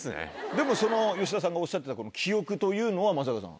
でもその吉田さんがおっしゃってた記憶というのは松坂さん。